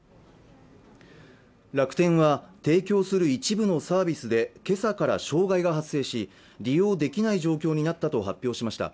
楽天は提供する一部のサービスでけさから障害が発生し利用できない状況になったと発表しました